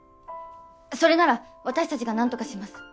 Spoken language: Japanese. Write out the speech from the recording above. それなら私たちがなんとかします。